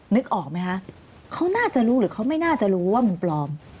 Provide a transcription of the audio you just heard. นึกออกไหมคะเขาน่าจะรู้หรือเขาไม่น่าจะรู้ว่ามึงปลอม